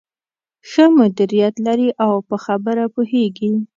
ښه مديريت لري او په خبره پوهېږې.